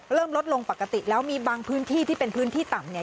ลดลงปกติแล้วมีบางพื้นที่ที่เป็นพื้นที่ต่ำเนี่ย